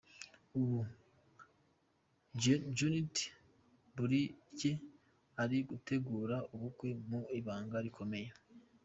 Ubu, Judith Babirye ari gutegura ubukwe mu ibanga rikomeye.